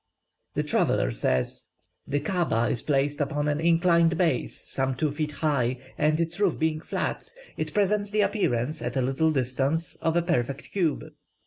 The traveller says, "The Kaaba is placed upon an inclined base some two feet high, and its roof being flat, it presents the appearance at a little distance of a perfect cube.